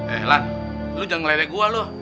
eh lam lo jangan ngeledek gue lo